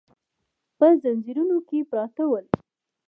په ځنځیرونو کې پراته ول.